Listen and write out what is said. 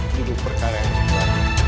hidup perkara yang sebenarnya